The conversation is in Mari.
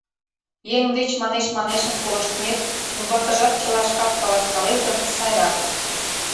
— Еҥ деч манеш-манешым колыштмет, умбакыжат чыла шкак каласкалет гын, сайрак.